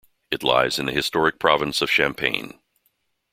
It lies in the historic province of Champagne.